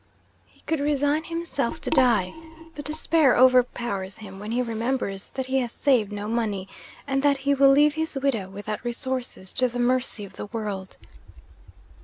He could resign himself to die; but despair overpowers him when he remembers that he has saved no money, and that he will leave his widow, without resources, to the mercy of the world.